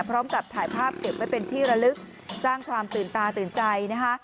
พร้อมกับถ่ายภาพเก็บไว้เป็นที่ระลึกสร้างความตื่นตาตื่นใจนะคะ